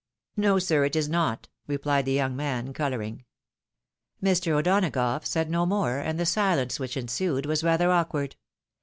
"" No, sir, it is not," replied the young man, colouring. Mr. O'Donagough said no more, and the sUenoe ■which ensued was rather awkward.